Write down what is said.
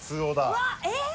うわっえっ？